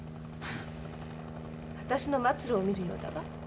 私の末路を見るようだわ。